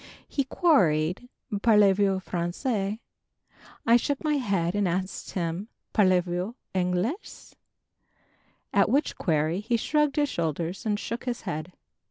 He queried "Parlez vous Français?" I shook my head and asked him "Parlez vous Anglaise?" at which query he shrugged his shoulders and shook his head!